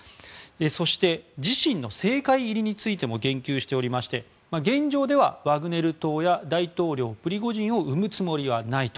そして自身の政界入りについても言及しておりまして現状ではワグネル党や大統領プリゴジンを生むつもりはないと。